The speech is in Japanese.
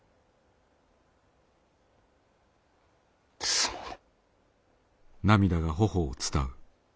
すまぬ。